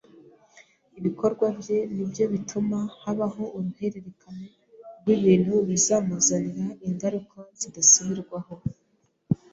Ibikorwa bye ni byo bituma habaho uruhererekane rw’ibintu bimuzanira ingaruka zidasubirwaho